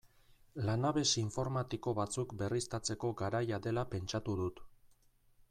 Lanabes informatiko batzuk berriztatzeko garaia dela pentsatu dut.